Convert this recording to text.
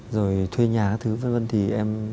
rồi thuê nhà các thứ vân vân thì em